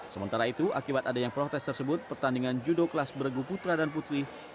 sementara itu akibat adanya protes tersebut pertandingan judo kelas bergu putra dan putri